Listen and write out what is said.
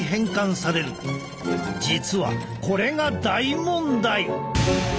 実はこれが大問題！